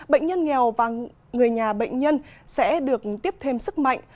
bệnh nhân nghèo và người nhà bệnh nhân sẽ được tiếp thêm sức mạnh